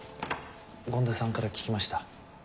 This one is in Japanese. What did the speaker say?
権田さんから聞きました。